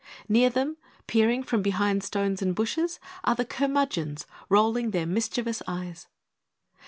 Near them, peering from behind stones and bushes, are the Curmudgeons, rolling their mischievous eyes.